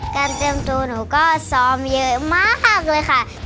เตรียมตัวหนูก็ซ้อมเยอะมากเลยค่ะ